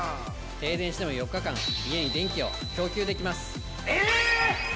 停電しても４日間家に電気を供給できます！